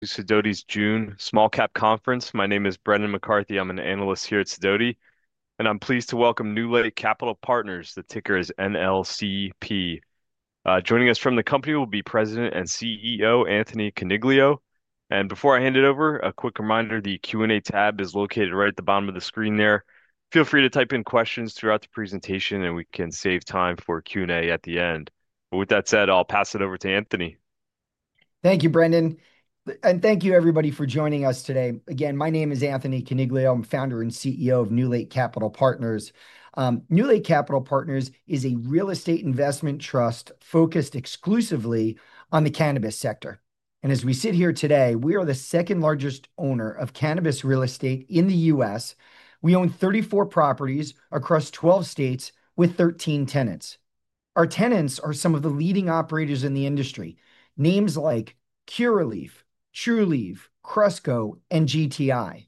To Sedoti's June Small Cap Conference. My name is Brendan McCarthy. I'm an analyst here at Sedoti, and I'm pleased to welcome NewLake Capital Partners. The ticker is NLCP. Joining us from the company will be President and CEO, Anthony Coniglio. Before I hand it over, a quick reminder: the Q&A tab is located right at the bottom of the screen there. Feel free to type in questions throughout the presentation, and we can save time for Q&A at the end. With that said, I'll pass it over to Anthony. Thank you, Brendan, and thank you, everybody, for joining us today. Again, my name is Anthony Coniglio. I'm Founder and CEO of NewLake Capital Partners. NewLake Capital Partners is a real estate investment trust focused exclusively on the cannabis sector. As we sit here today, we are the second largest owner of cannabis real estate in the U.S. We own 34 properties across 12 states with 13 tenants. Our tenants are some of the leading operators in the industry, names like Curaleaf, Trulieve, Cresco, and GTI.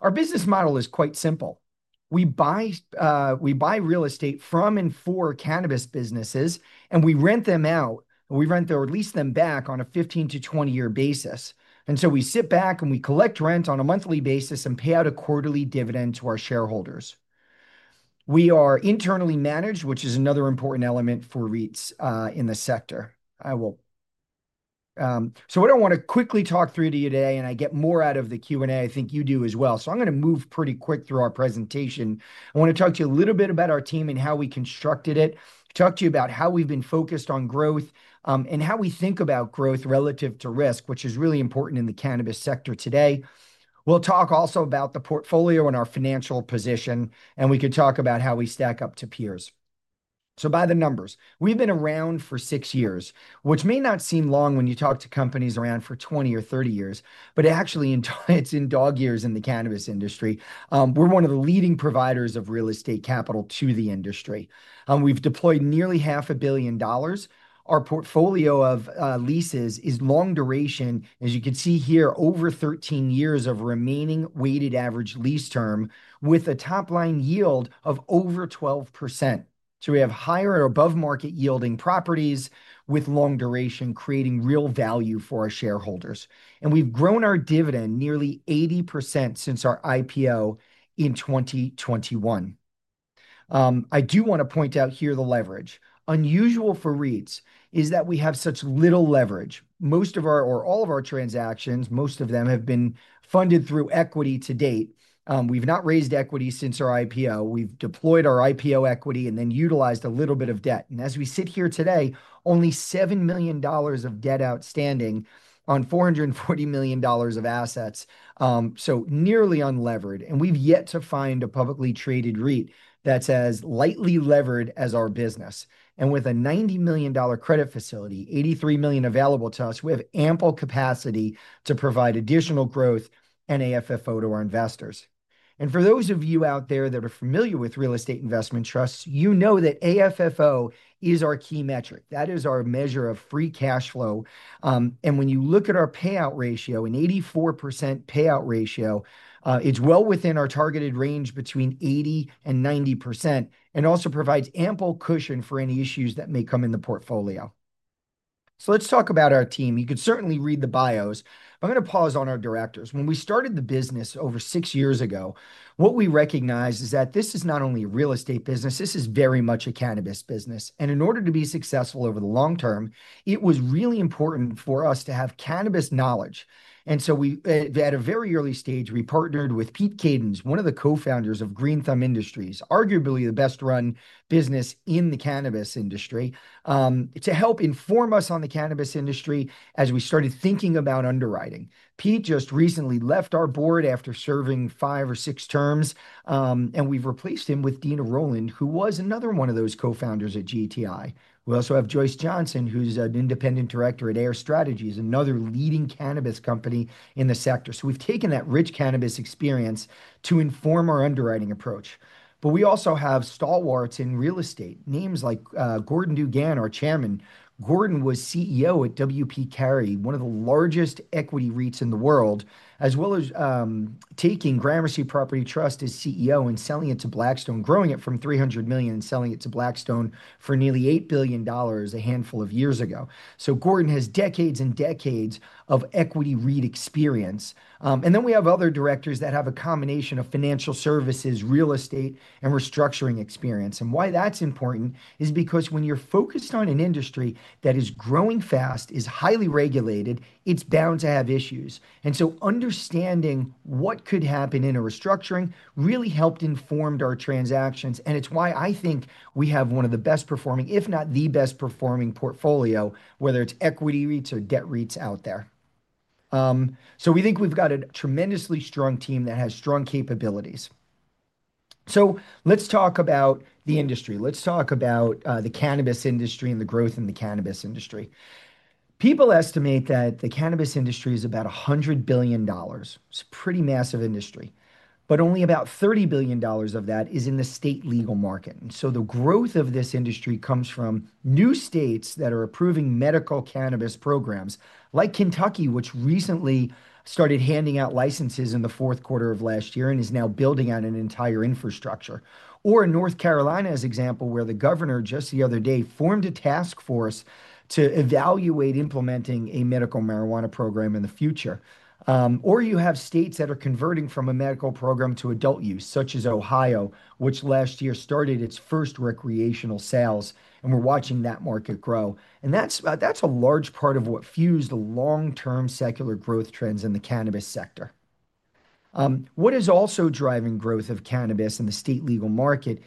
Our business model is quite simple. We buy real estate from and for cannabis businesses, and we rent them out, or we rent or lease them back on a 15-20-year basis. We sit back, and we collect rent on a monthly basis and pay out a quarterly dividend to our shareholders. We are internally managed, which is another important element for REITs in the sector. What I want to quickly talk through to you today, and I get more out of the Q&A, I think you do as well. I am going to move pretty quick through our presentation. I want to talk to you a little bit about our team and how we constructed it, talk to you about how we've been focused on growth and how we think about growth relative to risk, which is really important in the cannabis sector today. We'll talk also about the portfolio and our financial position, and we could talk about how we stack up to peers. By the numbers, we've been around for six years, which may not seem long when you talk to companies around for 20 years or 30 years, but actually, it's in dog years in the cannabis industry. We're one of the leading providers of real estate capital to the industry. We've deployed nearly $0.5 billion. Our portfolio of leases is long duration, as you can see here, over 13 years of remaining weighted average lease term with a top-line yield of over 12%. We have higher or above-market yielding properties with long duration creating real value for our shareholders. We've grown our dividend nearly 80% since our IPO in 2021. I do want to point out here the leverage. Unusual for REITs is that we have such little leverage. Most of our or all of our transactions, most of them have been funded through equity to date. We've not raised equity since our IPO. We've deployed our IPO equity and then utilized a little bit of debt. As we sit here today, only $7 million of debt outstanding on $440 million of assets, so nearly unlevered. We've yet to find a publicly traded REIT that's as lightly levered as our business. With a $90 million credit facility, $83 million available to us, we have ample capacity to provide additional growth and AFFO to our investors. For those of you out there that are familiar with real estate investment trusts, you know that AFFO is our key metric. That is our measure of free cash flow. When you look at our payout ratio, an 84% payout ratio, it's well within our targeted range between 80% and 90%, and also provides ample cushion for any issues that may come in the portfolio. Let's talk about our team. You could certainly read the bios, but I'm going to pause on our directors. When we started the business over six years ago, what we recognized is that this is not only a real estate business; this is very much a cannabis business. In order to be successful over the long term, it was really important for us to have cannabis knowledge. At a very early stage, we partnered with Pete Kadens, one of the co-founders of Green Thumb Industries, arguably the best-run business in the cannabis industry, to help inform us on the cannabis industry as we started thinking about underwriting. Pete just recently left our board after serving five or six terms, and we've replaced him with Dena Rowland, who was another one of those co-founders at GTI. We also have Joyce Johnson, who's an independent director at Ayr Strategies, another leading cannabis company in the sector. So we've taken that rich cannabis experience to inform our underwriting approach. But we also have stalwarts in real estate, names like Gordon DuGan, our Chairman. Gordon was CEO at W. P. Carey, one of the largest equity REITs in the world, as well as taking Gramercy Property Trust as CEO and selling it to Blackstone, growing it from $300 million and selling it to Blackstone for nearly $8 billion a handful of years ago. So Gordon has decades and decades of equity REIT experience. And then we have other directors that have a combination of financial services, real estate, and restructuring experience. And why that's important is because when you're focused on an industry that is growing fast, is highly regulated, it's bound to have issues. Understanding what could happen in a restructuring really helped inform our transactions. It is why I think we have one of the best-performing, if not the best-performing, portfolio, whether it is equity REITs or debt REITs out there. We think we have a tremendously strong team that has strong capabilities. Let us talk about the industry. Let us talk about the cannabis industry and the growth in the cannabis industry. People estimate that the cannabis industry is about $100 billion. It is a pretty massive industry, but only about $30 billion of that is in the state legal market. The growth of this industry comes from new states that are approving medical cannabis programs, like Kentucky, which recently started handing out licenses in the fourth quarter of last year and is now building out an entire infrastructure. Or in North Carolina, as an example, where the governor just the other day formed a task force to evaluate implementing a medical marijuana program in the future. You have states that are converting from a medical program to adult use, such as Ohio, which last year started its first recreational sales, and we're watching that market grow. That's a large part of what fueled the long-term secular growth trends in the cannabis sector. What is also driving growth of cannabis in the state legal market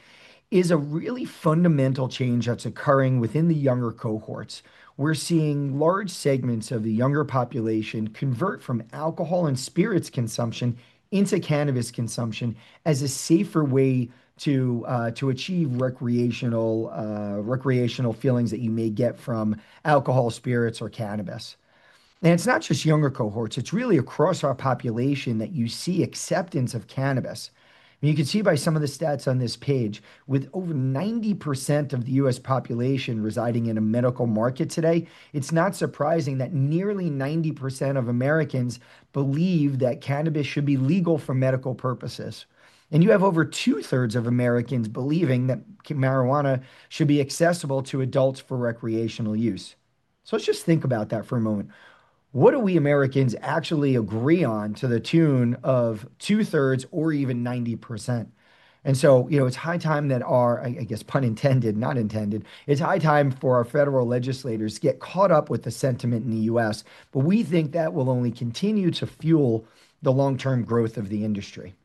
is a really fundamental change that's occurring within the younger cohorts. We're seeing large segments of the younger population convert from alcohol and spirits consumption into cannabis consumption as a safer way to achieve recreational feelings that you may get from alcohol, spirits, or cannabis. It's not just younger cohorts. It's really across our population that you see acceptance of cannabis. You can see by some of the stats on this page, with over 90% of the U.S. population residing in a medical market today, it's not surprising that nearly 90% of Americans believe that cannabis should be legal for medical purposes. You have over 2/3 of Americans believing that marijuana should be accessible to adults for recreational use. Let's just think about that for a moment. What do we Americans actually agree on to the tune of 2/3 or even 90%? It's high time that our, I guess, pun intended, not intended, it's high time for our federal legislators to get caught up with the sentiment in the U.S. We think that will only continue to fuel the long-term growth of the industry.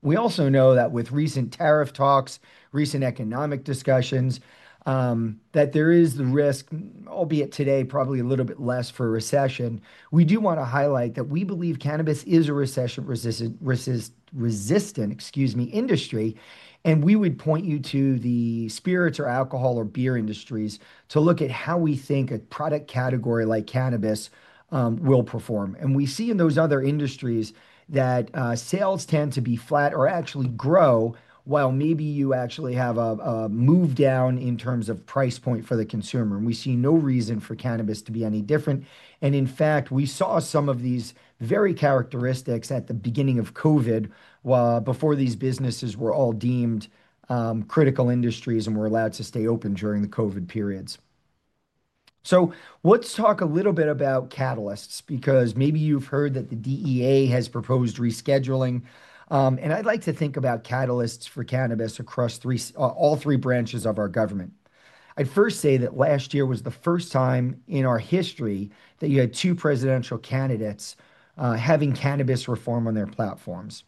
We also know that with recent tariff talks, recent economic discussions, that there is the risk, albeit today probably a little bit less, for a recession. We do want to highlight that we believe cannabis is a recession-resistant industry, and we would point you to the spirits or alcohol or beer industries to look at how we think a product category like cannabis will perform. We see in those other industries that sales tend to be flat or actually grow, while maybe you actually have a move down in terms of price point for the consumer. We see no reason for cannabis to be any different. In fact, we saw some of these very characteristics at the beginning of COVID before these businesses were all deemed critical industries and were allowed to stay open during the COVID periods. Let's talk a little bit about catalysts, because maybe you've heard that the DEA has proposed rescheduling. I'd like to think about catalysts for cannabis across all three branches of our government. I'd first say that last year was the first time in our history that you had two presidential candidates having cannabis reform on their platforms.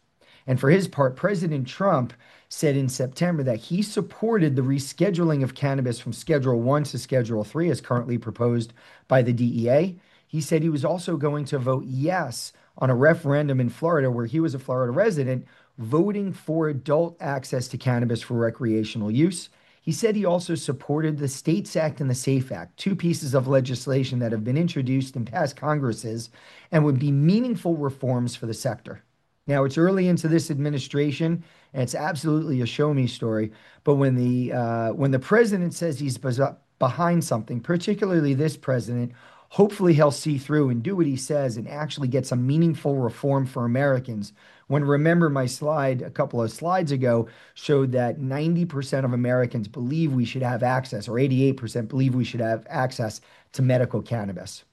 For his part, President Trump said in September that he supported the rescheduling of cannabis from Schedule I to Schedule III as currently proposed by the DEA. He said he was also going to vote yes on a referendum in Florida where he was a Florida resident voting for adult access to cannabis for recreational use. He said he also supported the STATES Act and the SAFE Act, two pieces of legislation that have been introduced in past Congresses and would be meaningful reforms for the sector. Now, it's early into this administration, and it's absolutely a show-me story. When the president says he's behind something, particularly this president, hopefully he'll see through and do what he says and actually get some meaningful reform for Americans. I remember my slide a couple of slides ago showed that 90% of Americans believe we should have access, or 88% believe we should have access to medical cannabis.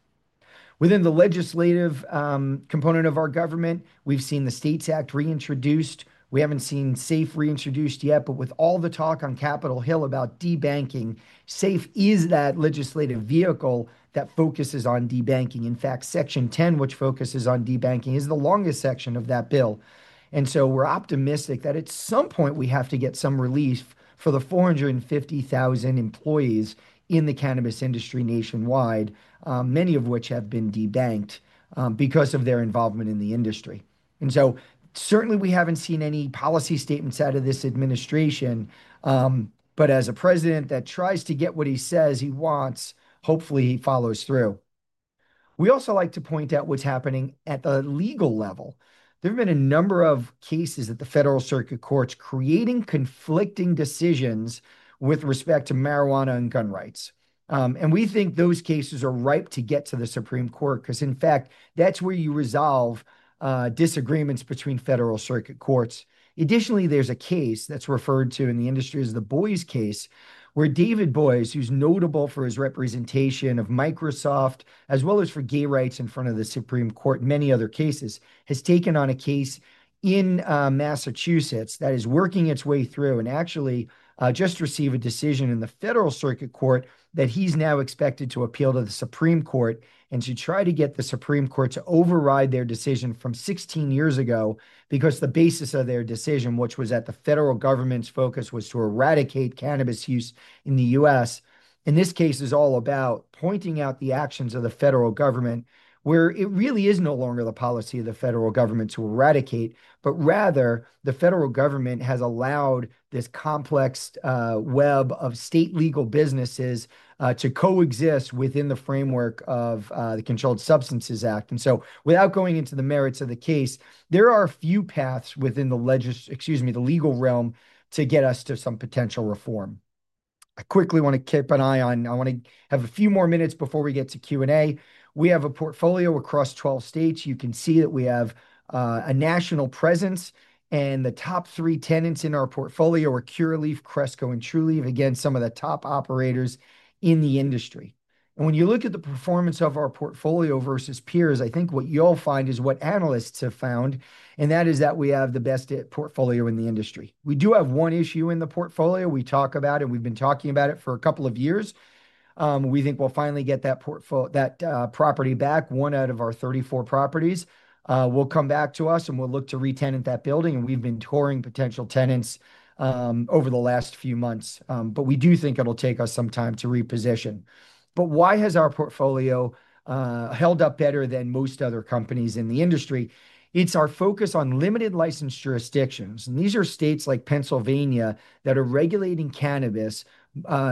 Within the legislative component of our government, we've seen the STATES Act reintroduced. We haven't seen SAFE reintroduced yet. With all the talk on Capitol Hill about de-banking, SAFE is that legislative vehicle that focuses on de-banking. In fact, Section 10, which focuses on de-banking, is the longest section of that bill. We are optimistic that at some point we have to get some relief for the 450,000 employees in the cannabis industry nationwide, many of which have been de-banked because of their involvement in the industry. We have not seen any policy statements out of this administration. As a president that tries to get what he says he wants, hopefully he follows through. We also like to point out what is happening at the legal level. There have been a number of cases at the Federal Circuit Courts creating conflicting decisions with respect to marijuana and gun rights. We think those cases are ripe to get to the Supreme Court because, in fact, that is where you resolve disagreements between federal circuit courts. Additionally, there's a case that's referred to in the industry as the Boies case, where David Boies, who's notable for his representation of Microsoft as well as for gay rights in front of the Supreme Court, many other cases, has taken on a case in Massachusetts that is working its way through and actually just received a decision in the Federal Circuit Court that he's now expected to appeal to the Supreme Court and to try to get the Supreme Court to override their decision from 16 years ago because the basis of their decision, which was that the federal government's focus was to eradicate cannabis use in the U.S., in this case is all about pointing out the actions of the federal government, where it really is no longer the policy of the federal government to eradicate, but rather the federal government has allowed this complex web of state legal businesses to coexist within the framework of the Controlled Substances Act. Without going into the merits of the case, there are a few paths within the legal, excuse me, the legal realm to get us to some potential reform. I quickly want to keep an eye on, I want to have a few more minutes before we get to Q&A. We have a portfolio across 12 states. You can see that we have a national presence, and the top three tenants in our portfolio are Curaleaf, Cresco, and Trulieve, again, some of the top operators in the industry. When you look at the performance of our portfolio versus peers, I think what you'll find is what analysts have found, and that is that we have the best portfolio in the industry. We do have one issue in the portfolio. We talk about it, and we've been talking about it for a couple of years. We think we'll finally get that property back, one out of our 34 properties. It will come back to us, and we'll look to re-tenant that building. We've been touring potential tenants over the last few months. We do think it'll take us some time to reposition. Why has our portfolio held up better than most other companies in the industry? It's our focus on limited license jurisdictions. These are states like Pennsylvania that are regulating cannabis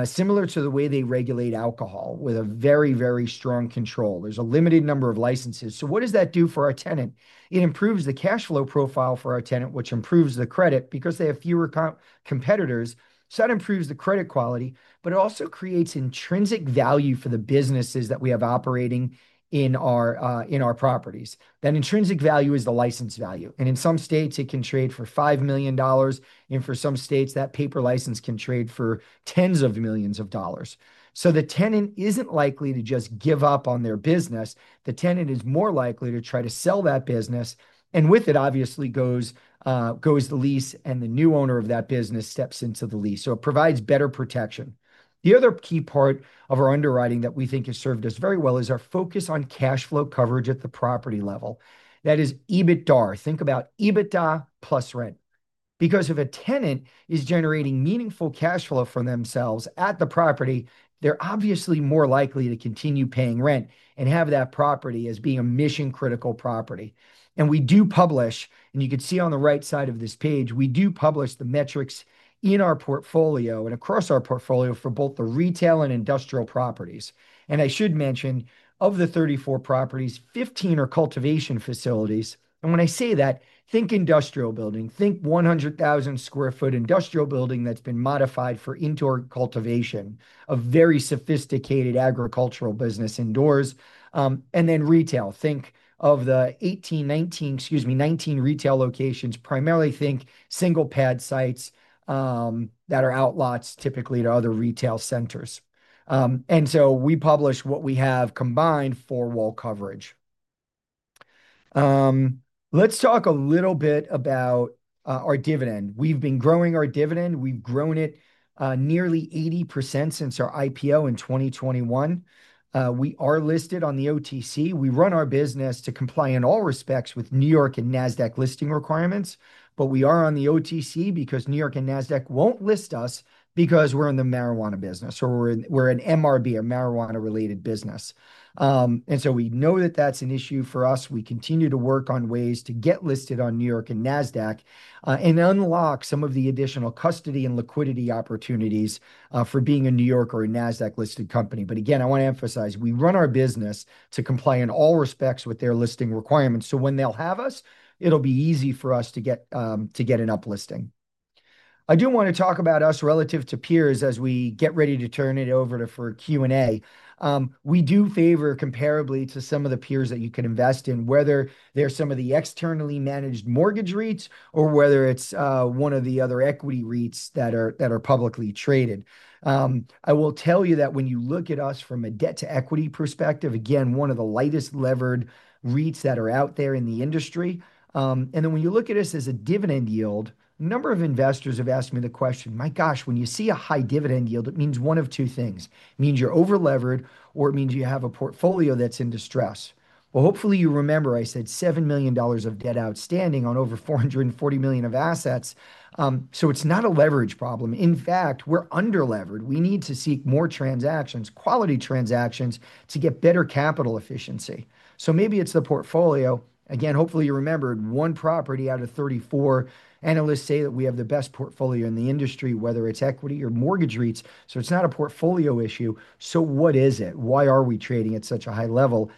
similar to the way they regulate alcohol with very, very strong control. There's a limited number of licenses. What does that do for our tenant? It improves the cash flow profile for our tenant, which improves the credit because they have fewer competitors. That improves the credit quality, but it also creates intrinsic value for the businesses that we have operating in our properties. That intrinsic value is the license value. In some states, it can trade for $5 million. In some states, that paper license can trade for tens of millions of dollars. The tenant is not likely to just give up on their business. The tenant is more likely to try to sell that business. With it, obviously, goes the lease, and the new owner of that business steps into the lease. It provides better protection. The other key part of our underwriting that we think has served us very well is our focus on cash flow coverage at the property level. That is EBITDA. Think about EBITDA + rent. If a tenant is generating meaningful cash flow for themselves at the property, they are obviously more likely to continue paying rent and have that property as being a mission-critical property. We do publish, and you can see on the right side of this page, we do publish the metrics in our portfolio and across our portfolio for both the retail and industrial properties. I should mention, of the 34 properties, 15 are cultivation facilities. When I say that, think industrial building. Think 100,000 sq ft industrial building that's been modified for indoor cultivation, a very sophisticated agricultural business indoors. Retail, think of the 19 retail locations, primarily think single-pad sites that are outlots typically to other retail centers. We publish what we have combined for wall coverage. Let's talk a little bit about our dividend. We've been growing our dividend. We've grown it nearly 80% since our IPO in 2021. We are listed on the OTC. We run our business to comply in all respects with New York and NASDAQ listing requirements. We are on the OTC because New York and NASDAQ will not list us because we are in the marijuana business or we are an MRB, a marijuana-related business. We know that is an issue for us. We continue to work on ways to get listed on New York and NASDAQ and unlock some of the additional custody and liquidity opportunities for being a New York or a NASDAQ-listed company. I want to emphasize, we run our business to comply in all respects with their listing requirements. When they will have us, it will be easy for us to get an uplisting. I do want to talk about us relative to peers as we get ready to turn it over for Q&A. We do favor comparably to some of the peers that you can invest in, whether they're some of the externally managed mortgage REITs or whether it's one of the other equity REITs that are publicly traded. I will tell you that when you look at us from a debt-to-equity perspective, again, one of the lightest levered REITs that are out there in the industry. When you look at us as a dividend yield, a number of investors have asked me the question, "My gosh, when you see a high dividend yield, it means one of two things. It means you're over-levered, or it means you have a portfolio that's in distress." Hopefully you remember I said $7 million of debt outstanding on over $440 million of assets. It is not a leverage problem. In fact, we're under-levered. We need to seek more transactions, quality transactions to get better capital efficiency. Maybe it's the portfolio. Again, hopefully you remembered one property out of 34. Analysts say that we have the best portfolio in the industry, whether it's equity or mortgage REITs. It's not a portfolio issue. What is it? Why are we trading at such a high level?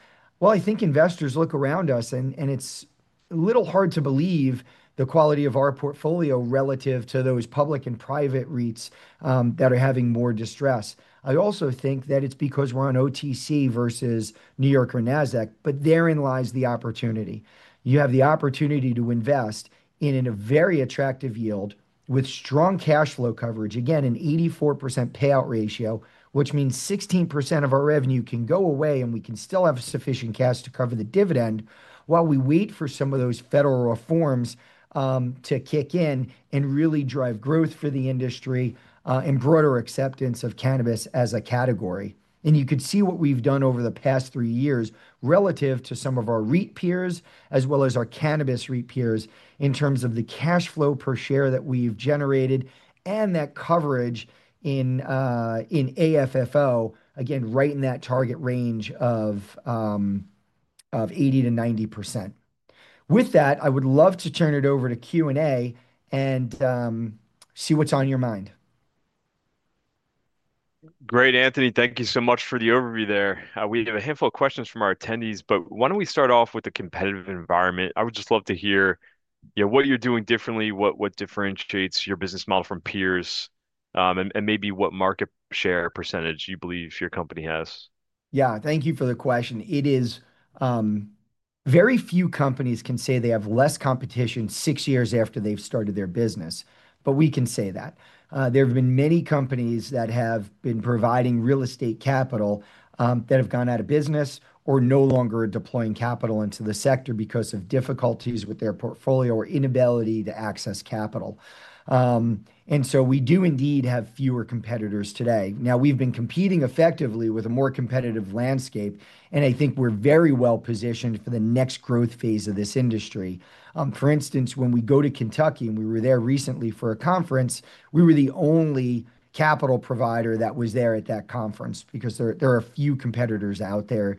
I think investors look around us, and it's a little hard to believe the quality of our portfolio relative to those public and private REITs that are having more distress. I also think that it's because we're on OTC versus New York or NASDAQ, but therein lies the opportunity. You have the opportunity to invest in a very attractive yield with strong cash flow coverage, again, an 84% payout ratio, which means 16% of our revenue can go away, and we can still have sufficient cash to cover the dividend while we wait for some of those federal reforms to kick in and really drive growth for the industry and broader acceptance of cannabis as a category. You could see what we've done over the past three years relative to some of our REIT peers as well as our cannabis REIT peers in terms of the cash flow per share that we've generated and that coverage in AFFO, again, right in that target range of 80%-90%. With that, I would love to turn it over to Q&A and see what's on your mind. Great, Anthony. Thank you so much for the overview there. We have a handful of questions from our attendees, but why don't we start off with the competitive environment? I would just love to hear what you're doing differently, what differentiates your business model from peers, and maybe what market share percentage you believe your company has. Yeah, thank you for the question. It is very few companies can say they have less competition six years after they've started their business, but we can say that. There have been many companies that have been providing real estate capital that have gone out of business or no longer are deploying capital into the sector because of difficulties with their portfolio or inability to access capital. We do indeed have fewer competitors today. Now, we've been competing effectively with a more competitive landscape, and I think we're very well positioned for the next growth phase of this industry. For instance, when we go to Kentucky and we were there recently for a conference, we were the only capital provider that was there at that conference because there are a few competitors out there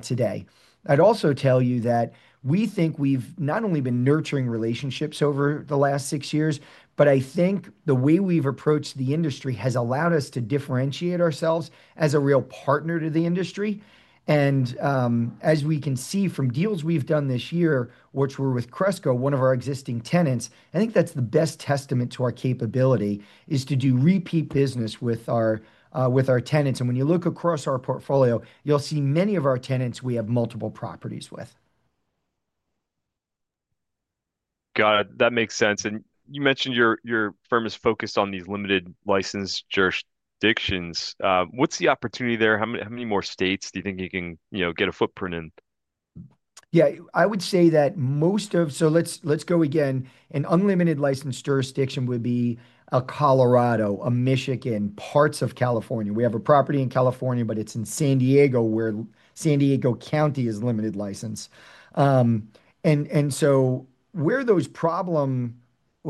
today. I'd also tell you that we think we've not only been nurturing relationships over the last six years, but I think the way we've approached the industry has allowed us to differentiate ourselves as a real partner to the industry. As we can see from deals we've done this year, which were with Cresco, one of our existing tenants, I think that's the best testament to our capability is to do repeat business with our tenants. When you look across our portfolio, you'll see many of our tenants we have multiple properties with. Got it. That makes sense. You mentioned your firm is focused on these limited license jurisdictions. What's the opportunity there? How many more states do you think you can get a footprint in? Yeah, I would say that most of, so let's go again. An unlimited license jurisdiction would be a Colorado, a Michigan, parts of California. We have a property in California, but it's in San Diego where San Diego County is limited license. And where those problems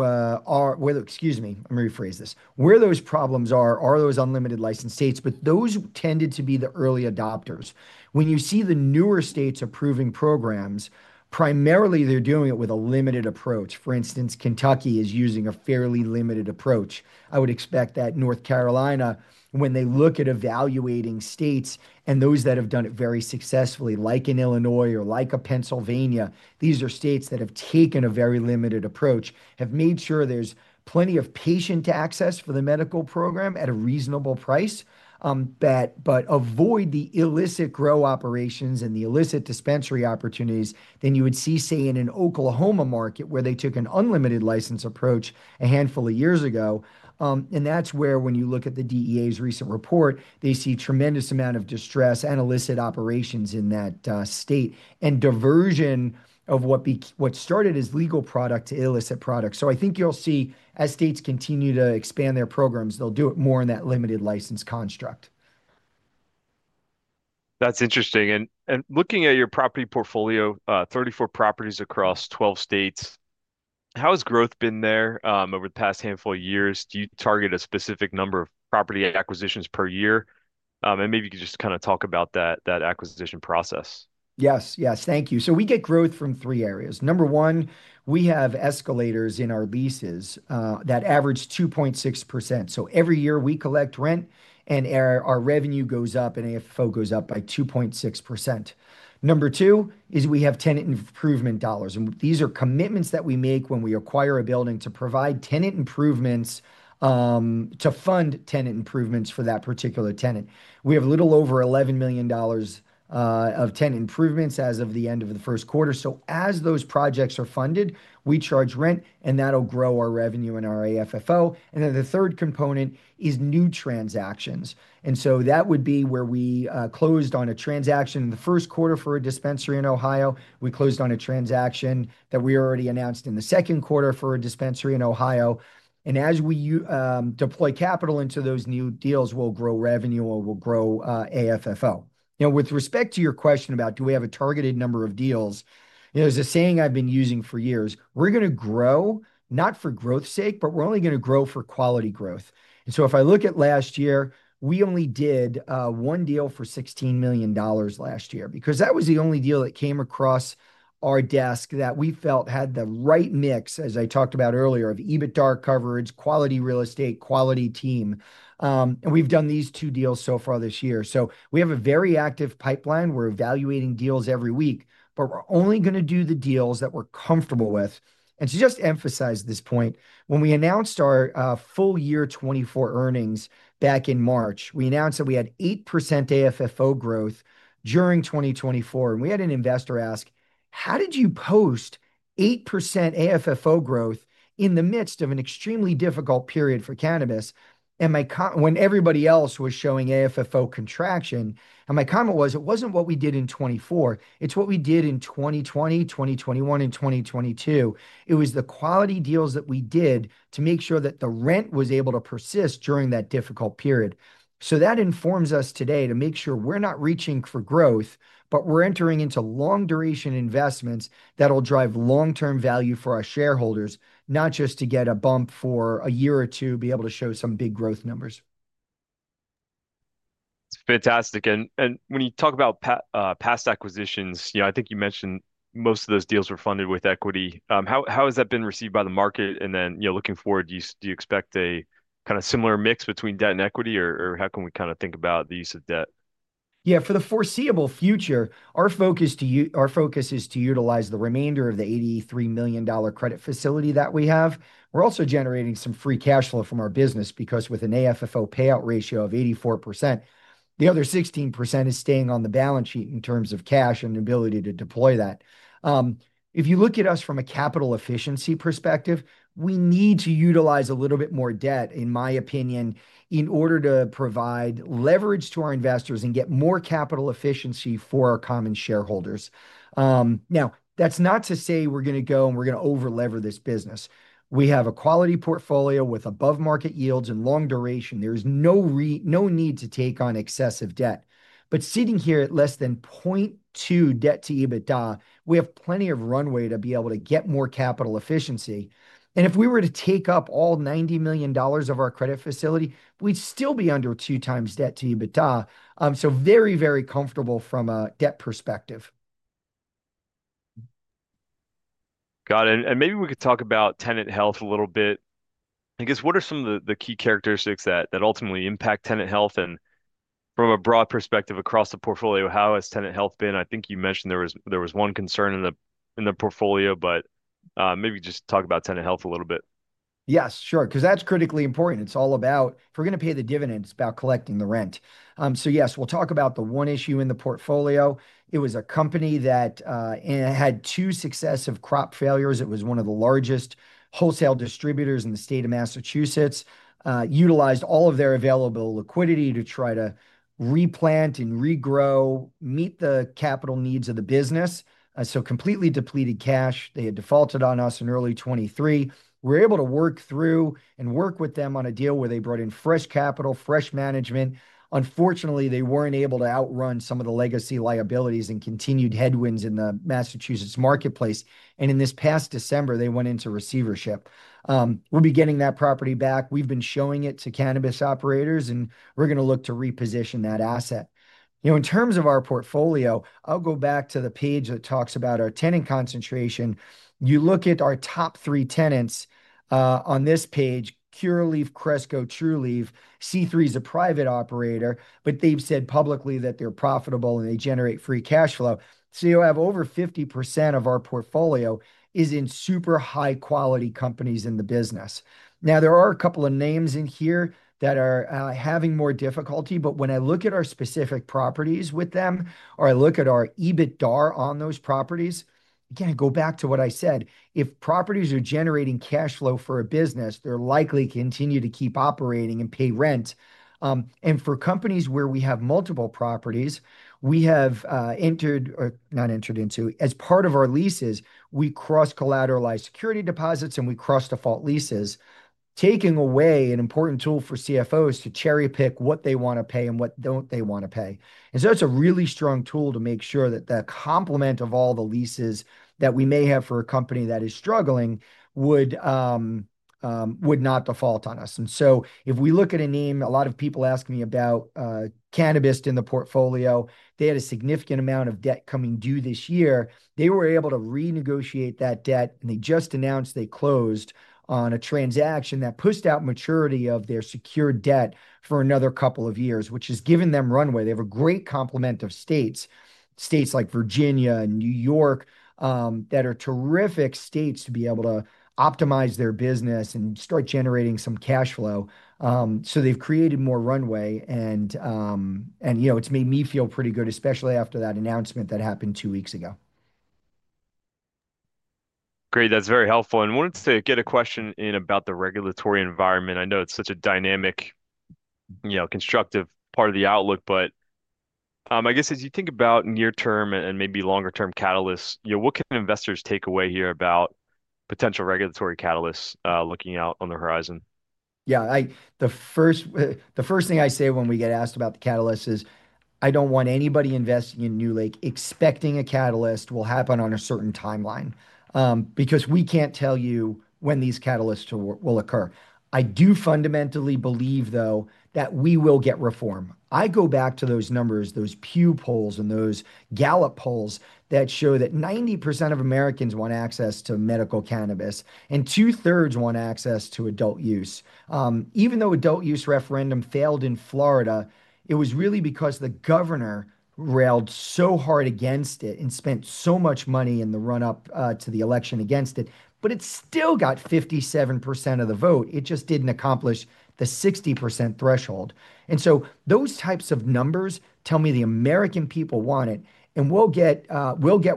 are, excuse me, let me rephrase this. Where those problems are are those unlimited license states, but those tended to be the early adopters. When you see the newer states approving programs, primarily they're doing it with a limited approach. For instance, Kentucky is using a fairly limited approach. I would expect that North Carolina, when they look at evaluating states and those that have done it very successfully, like in Illinois or like Pennsylvania, these are states that have taken a very limited approach, have made sure there's plenty of patient access for the medical program at a reasonable price, but avoid the illicit grow operations and the illicit dispensary opportunities, than you would see, say, in an Oklahoma market where they took an unlimited license approach a handful of years ago. That is where when you look at the DEA's recent report, they see a tremendous amount of distress and illicit operations in that state and diversion of what started as legal product to illicit product. I think you'll see as states continue to expand their programs, they'll do it more in that limited license construct. That's interesting. Looking at your property portfolio, 34 properties across 12 states, how has growth been there over the past handful of years? Do you target a specific number of property acquisitions per year? Maybe you could just kind of talk about that acquisition process. Yes, yes. Thank you. We get growth from three areas. Number one, we have escalators in our leases that average 2.6%. Every year we collect rent, and our revenue goes up, and AFFO goes up by 2.6%. Number two is we have tenant improvement dollars. These are commitments that we make when we acquire a building to provide tenant improvements, to fund tenant improvements for that particular tenant. We have a little over $11 million of tenant improvements as of the end of the first quarter. As those projects are funded, we charge rent, and that'll grow our revenue and our AFFO. The third component is new transactions. That would be where we closed on a transaction in the first quarter for a dispensary in Ohio. We closed on a transaction that we already announced in the second quarter for a dispensary in Ohio. As we deploy capital into those new deals, we'll grow revenue, or we'll grow AFFO. Now, with respect to your question about do we have a targeted number of deals, there's a saying I've been using for years. We're going to grow, not for growth's sake, but we're only going to grow for quality growth. If I look at last year, we only did one deal for $16 million last year because that was the only deal that came across our desk that we felt had the right mix, as I talked about earlier, of EBITDA coverage, quality real estate, quality team. We have done these two deals so far this year. We have a very active pipeline. We are evaluating deals every week, but we are only going to do the deals that we are comfortable with. To just emphasize this point, when we announced our full year 2024 earnings back in March, we announced that we had 8% AFFO growth during 2024. We had an investor ask, "How did you post 8% AFFO growth in the midst of an extremely difficult period for cannabis?" When everybody else was showing AFFO contraction, my comment was, "It wasn't what we did in 2024. It's what we did in 2020, 2021, and 2022. It was the quality deals that we did to make sure that the rent was able to persist during that difficult period." That informs us today to make sure we're not reaching for growth, but we're entering into long-duration investments that'll drive long-term value for our shareholders, not just to get a bump for a year or two, be able to show some big growth numbers. It's fantastic. When you talk about past acquisitions, I think you mentioned most of those deals were funded with equity. How has that been received by the market? Then looking forward, do you expect a kind of similar mix between debt and equity, or how can we kind of think about the use of debt? Yeah, for the foreseeable future, our focus is to utilize the remainder of the $83 million credit facility that we have. We're also generating some free cash flow from our business because with an AFFO payout ratio of 84%, the other 16% is staying on the balance sheet in terms of cash and the ability to deploy that. If you look at us from a capital efficiency perspective, we need to utilize a little bit more debt, in my opinion, in order to provide leverage to our investors and get more capital efficiency for our common shareholders. Now, that's not to say we're going to go and we're going to over-lever this business. We have a quality portfolio with above-market yields and long duration. There is no need to take on excessive debt. Sitting here at less than 0.2 debt to EBITDA, we have plenty of runway to be able to get more capital efficiency. If we were to take up all $90 million of our credit facility, we'd still be under two times debt to EBITDA. Very, very comfortable from a debt perspective. Got it. Maybe we could talk about tenant health a little bit. I guess, what are some of the key characteristics that ultimately impact tenant health? From a broad perspective across the portfolio, how has tenant health been? I think you mentioned there was one concern in the portfolio, but maybe just talk about tenant health a little bit. Yes, sure. Because that's critically important. It's all about, if we're going to pay the dividend, it's about collecting the rent. Yes, we'll talk about the one issue in the portfolio. It was a company that had two successive crop failures. It was one of the largest wholesale distributors in the state of Massachusetts. Utilized all of their available liquidity to try to replant and regrow, meet the capital needs of the business. So completely depleted cash. They had defaulted on us in early 2023. We were able to work through and work with them on a deal where they brought in fresh capital, fresh management. Unfortunately, they weren't able to outrun some of the legacy liabilities and continued headwinds in the Massachusetts marketplace. In this past December, they went into receivership. We'll be getting that property back. We've been showing it to cannabis operators, and we're going to look to reposition that asset. In terms of our portfolio, I'll go back to the page that talks about our tenant concentration. You look at our top three tenants on this page, Curaleaf, Cresco, Trulieve. C3 is a private operator, but they've said publicly that they're profitable and they generate free cash flow. So you'll have over 50% of our portfolio is in super high-quality companies in the business. Now, there are a couple of names in here that are having more difficulty, but when I look at our specific properties with them, or I look at our EBITDA on those properties, again, I go back to what I said. If properties are generating cash flow for a business, they're likely to continue to keep operating and pay rent. For companies where we have multiple properties, we have entered, or not entered into, as part of our leases, we cross-collateralize security deposits and we cross-default leases, taking away an important tool for CFOs to cherry-pick what they want to pay and what they do not want to pay. That is a really strong tool to make sure that the complement of all the leases that we may have for a company that is struggling would not default on us. If we look at a name, a lot of people ask me about cannabis in the portfolio. They had a significant amount of debt coming due this year. They were able to renegotiate that debt, and they just announced they closed on a transaction that pushed out maturity of their secured debt for another couple of years, which has given them runway. They have a great complement of states, states like Virginia and New York, that are terrific states to be able to optimize their business and start generating some cash flow. They have created more runway, and it has made me feel pretty good, especially after that announcement that happened two weeks ago. Great. That is very helpful. I wanted to get a question in about the regulatory environment. I know it is such a dynamic, constructive part of the outlook, but I guess as you think about near-term and maybe longer-term catalysts, what can investors take away here about potential regulatory catalysts looking out on the horizon? Yeah. The first thing I say when we get asked about the catalysts is, "I don't want anybody investing in NewLake expecting a catalyst will happen on a certain timeline because we can't tell you when these catalysts will occur." I do fundamentally believe, though, that we will get reform. I go back to those numbers, those Pew polls and those Gallup polls that show that 90% of Americans want access to medical cannabis, and 2/3 want access to adult use. Even though adult use referendum failed in Florida, it was really because the governor railed so hard against it and spent so much money in the run-up to the election against it, but it still got 57% of the vote. It just didn't accomplish the 60% threshold. Those types of numbers tell me the American people want it, and we'll get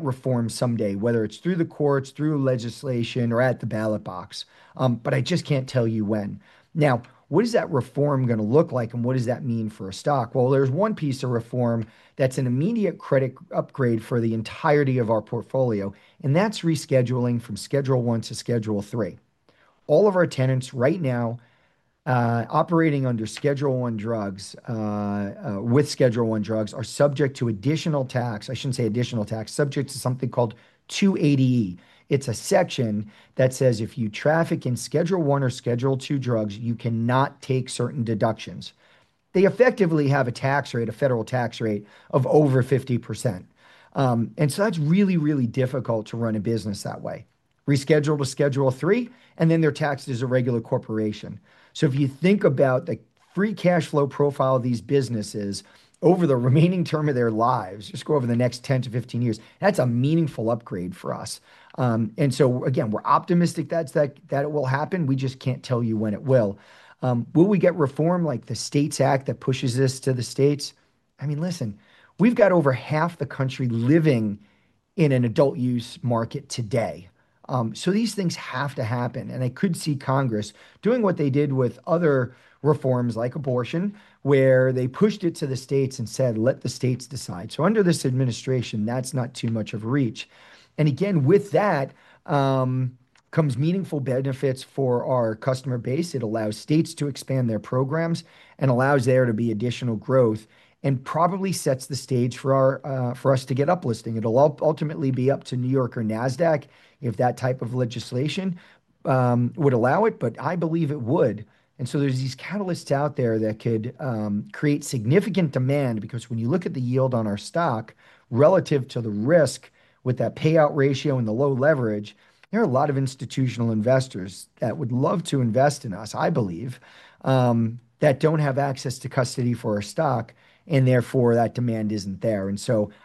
reform someday, whether it's through the courts, through legislation, or at the ballot box. I just can't tell you when. Now, what is that reform going to look like, and what does that mean for a stock? There is one piece of reform that's an immediate credit upgrade for the entirety of our portfolio, and that's rescheduling from Schedule I to Schedule III. All of our tenants right now operating under Schedule I drugs with Schedule I drugs are subject to additional tax. I shouldn't say additional tax. Subject to something called 280E. It's a section that says if you traffic in Schedule I or Schedule II drugs, you cannot take certain deductions. They effectively have a tax rate, a federal tax rate of over 50%. That is really, really difficult to run a business that way. Rescheduled to Schedule III, and then they are taxed as a regular corporation. If you think about the free cash flow profile of these businesses over the remaining term of their lives, just go over the next 10-15 years, that is a meaningful upgrade for us. Again, we are optimistic that it will happen. We just cannot tell you when it will. Will we get reform like the STATES Act that pushes this to the states? I mean, listen, we have got over half the country living in an adult use market today. These things have to happen. I could see Congress doing what they did with other reforms like abortion, where they pushed it to the states and said, "Let the states decide." Under this administration, that is not too much of a reach. Again, with that comes meaningful benefits for our customer base. It allows states to expand their programs and allows there to be additional growth and probably sets the stage for us to get uplisting. It will ultimately be up to New York or NASDAQ if that type of legislation would allow it, but I believe it would. There are these catalysts out there that could create significant demand because when you look at the yield on our stock relative to the risk with that payout ratio and the low leverage, there are a lot of institutional investors that would love to invest in us, I believe, that do not have access to custody for our stock, and therefore that demand is not there.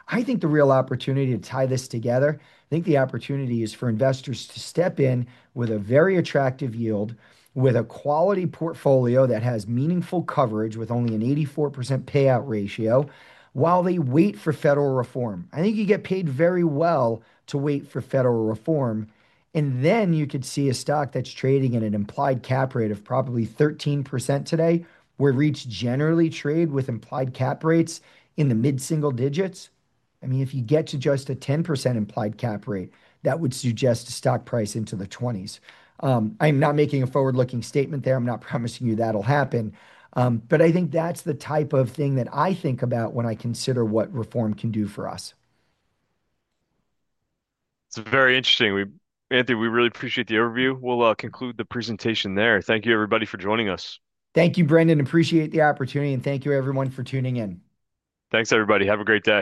I think the real opportunity to tie this together, I think the opportunity is for investors to step in with a very attractive yield, with a quality portfolio that has meaningful coverage with only an 84% payout ratio while they wait for federal reform. I think you get paid very well to wait for federal reform, and then you could see a stock that's trading at an implied cap rate of probably 13% today, where REITs generally trade with implied cap rates in the mid-single digits. I mean, if you get to just a 10% implied cap rate, that would suggest a stock price into the 20s. I'm not making a forward-looking statement there. I'm not promising you that'll happen. I think that's the type of thing that I think about when I consider what reform can do for us. It's very interesting. Anthony, we really appreciate the overview. We'll conclude the presentation there. Thank you, everybody, for joining us. Thank you, Brendan. Appreciate the opportunity, and thank you, everyone, for tuning in. Thanks, everybody. Have a great day.